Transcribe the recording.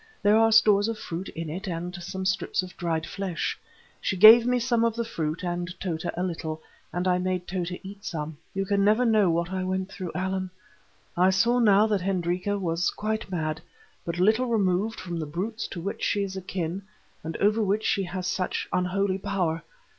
There are stores of fruit in it and some strips of dried flesh. She gave me some of the fruit and Tota a little, and I made Tota eat some. You can never know what I went through, Allan. I saw now that Hendrika was quite mad, and but little removed from the brutes to which she is akin, and over which she has such unholy power.